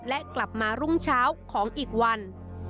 และกลับมารุ่งเช้าของอีกวัน